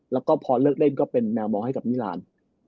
แล้วก็พอเลิกเล่นก็เป็นแนวมองให้กับนิราน